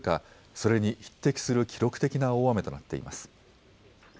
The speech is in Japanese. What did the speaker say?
それに匹敵する記録的な大雨となっています。